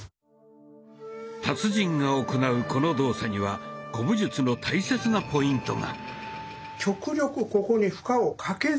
達人が行うこの動作には古武術の大切なポイントが。